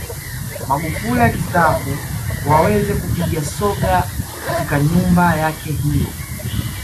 Magufuli akistaafu waweze kupiga soga katika nyumba yake hiyo